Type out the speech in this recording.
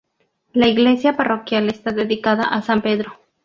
La iglesia parroquial está dedicada a san Pedro.